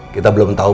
kita belum tahu